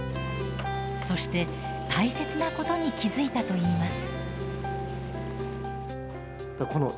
そして大切なことに気付いたといいます。